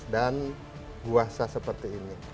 dan kuasa seperti ini